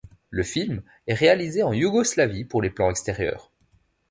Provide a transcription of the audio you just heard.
Le film est réalisé en Yougoslavie pour les plans extérieurs.